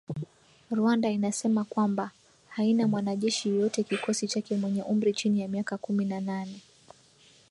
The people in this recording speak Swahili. Rwanda inasema kwamba “haina mwanajeshi yeyote kikosi chake mwenye umri chini ya miaka kumi na nane"